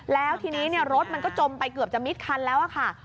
แล้วทีนี้รถมันก็จมไปเกือบจะมิดคันแล้วค่ะ